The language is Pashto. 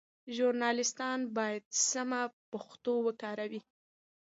ژورنالیستان باید سمه پښتو وکاروي.